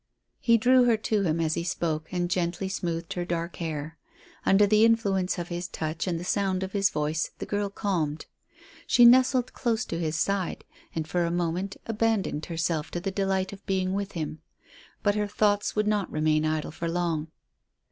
He drew her to him as he spoke, and gently smoothed her dark hair. Under the influence of his touch and the sound of his voice, the girl calmed. She nestled close to his side, and for a moment abandoned herself to the delight of being with him. But her thoughts would not remain idle for long.